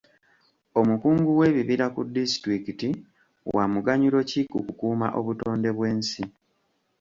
Omukungu w'ebibira ku disitulikiti wa muganyulo ki mu kukuuma obutonde bw'ensi?